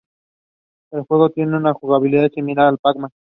El juego tiene una jugabilidad similar a la de Pac-Man.